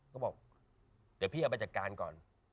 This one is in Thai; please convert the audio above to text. ก็บอกเดี๋ยวพี่เอาไปจัดการก่อน